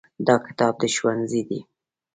دا کتاب د ښوونځي دی.